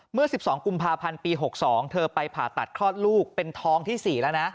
เมื่อ๑๒กุมภาพันธ์ปี๖๒เธอไปผ่าตัดคลอดลูกเป็นท้องที่๔แล้วนะ